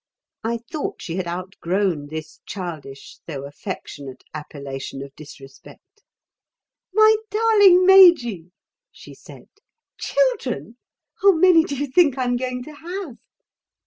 I thought she had outgrown this childish, though affectionate appellation of disrespect. "My darling Majy!" she said. "Children! How many do you think I'm going to have?"